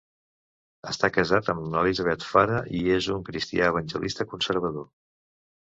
Està casat amb Elizabeth Farah i és un cristià evangelista conservador.